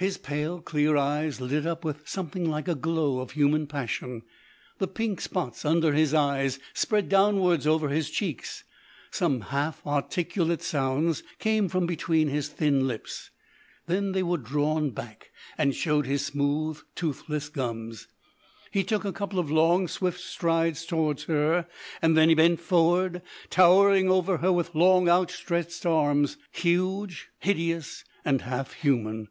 His pale clear eyes lit up with something like a glow of human passion. The pink spots under his eyes spread downwards over his cheeks. Some half articulate sounds came from between his thin lips. Then they were drawn back and showed his smooth, toothless gums. He took a couple of long, swift strides towards her, and then bent forward, towering over her with long, outstretched arms, huge, hideous, and half human.